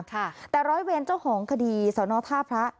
ค่ะแต่ร้อยเวรเจ้าของคดีสนท่าพระ